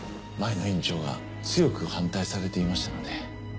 前の院長が強く反対されていましたので。